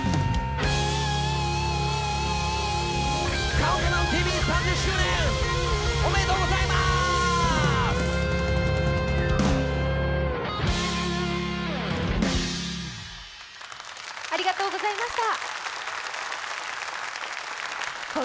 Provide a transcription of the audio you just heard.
「ＣＤＴＶ」３０周年、おめでとうございます！ありがとうございました。